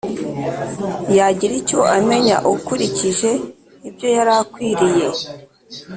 yagira icyo amenya ukurikije ibyo yari akwiriye